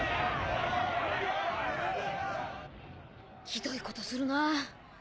ひどいことするなぁ。